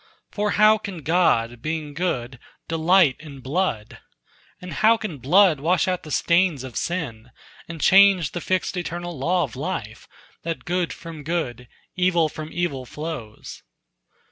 For how can God, being good, delight in blood? And how can blood wash out the stains of sin, And change the fixed eternal law of life That good from good, evil from evil flows?"